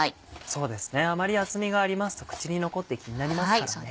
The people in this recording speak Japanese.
そうですねあまり厚みがありますと口に残って気になりますからね。